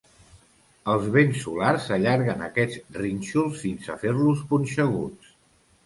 Els vents solars allarguen aquests rínxols fins a fer-los punxeguts.